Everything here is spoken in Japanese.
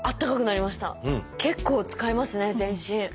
結構使いますね全身。